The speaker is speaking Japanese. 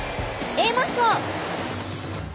Ａマッソ！」。